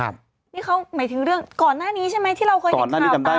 นี่เขาหมายถึงเรื่องก่อนหน้านี้ใช่ไหมที่เราเคยเห็นข่าวตาม